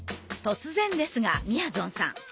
突然ですがみやぞんさん